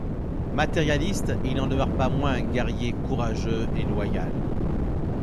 Matérialiste, il n'en demeure pas moins un guerrier courageux et loyal.